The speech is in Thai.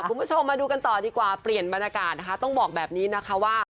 คุณผู้ชมมาดูกันต่อดีกว่าเปลี่ยนบรรยากาศนะคะต้องบอกแบบนี้นะคะว่า